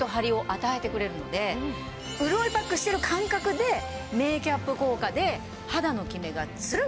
潤いパックしてる感覚でメーキャップ効果で肌のキメがツルンとして。